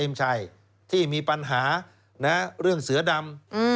ไม่ใช่ที่มีปัญหาเรื่องเสือดำ